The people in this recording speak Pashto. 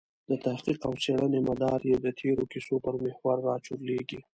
د تحقیق او څېړنې مدار یې د تېرو کیسو پر محور راچورلېږي.